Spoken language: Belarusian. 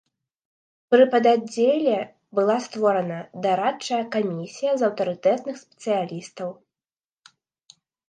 Пры пададдзеле была створана дарадчая камісія з аўтарытэтных спецыялістаў.